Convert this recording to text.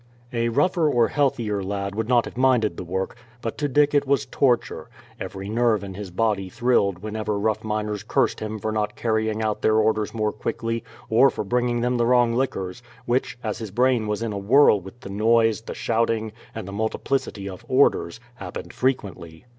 A rougher or healthier lad would not have minded the work, but to Dick it was torture; every nerve in his body thrilled whenever rough miners cursed him for not carrying out their orders more quickly, or for bringing them the wrong liquors, which, as his brain was in a whirl with the noise, the shouting, and the multiplicity of orders, happened frequently.